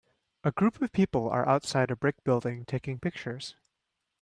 A group of people are outside a brick building taking pictures.